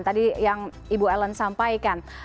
tadi yang ibu ellen sampaikan